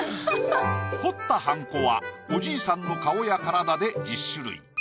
彫ったはんこはおじいさんの顔や体で１０種類。